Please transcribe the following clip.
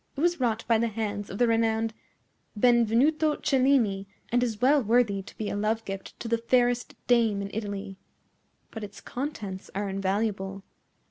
It was wrought by the hands of the renowned Benvenuto Cellini, and is well worthy to be a love gift to the fairest dame in Italy. But its contents are invaluable.